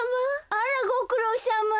あらごくろうさま。